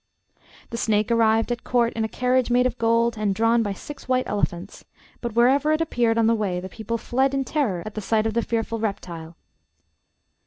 The snake arrived at court in a carriage made of gold and drawn by six white elephants; but wherever it appeared on the way, the people fled in terror at the sight of the fearful reptile.